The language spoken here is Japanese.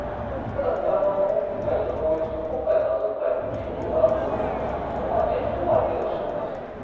ただ、北極海と同様黒海とアゾフ海にも言及があるので現状はある程度、消化している。